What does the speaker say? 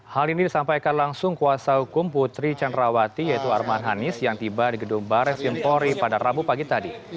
hal ini disampaikan langsung kuasa hukum putri candrawati yaitu arman hanis yang tiba di gedung barres vimpori pada rabu pagi tadi